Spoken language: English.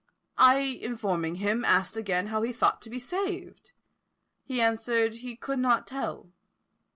I informing him, asked again how he thought to be saved? He answered he could not tell.